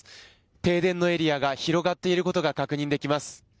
停電のエリアが広がっていることが確認できます。